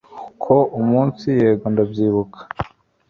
Ko umunsi yego ndabyibuka